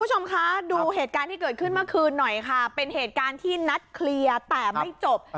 คุณผู้ชมคะดูเหตุการณ์ที่เกิดขึ้นเมื่อคืนหน่อยค่ะเป็นเหตุการณ์ที่นัดเคลียร์แต่ไม่จบ